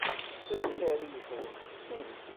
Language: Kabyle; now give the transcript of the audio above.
Lxir i yexdem ttun-t.